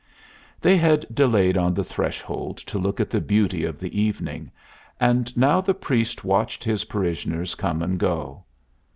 They had delayed on the threshold to look at the beauty of the evening, and now the priest watched his parishioners come and go.